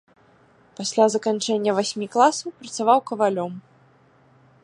Пасля заканчэння васьмі класаў працаваў кавалём.